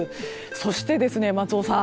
そして、松尾さん